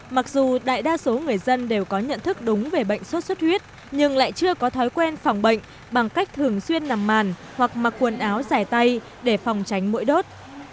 mặc dù đại đa số người dân đều có nhận thức đúng về bệnh sốt xuất huyết nhưng lại chưa có thói quen phòng bệnh bằng cách thường xuyên nằm màn hoặc mặc quần áo dài tay để phòng tránh mũi đốt